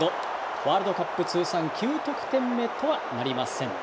ワールドカップ通算９得点目とはなりません。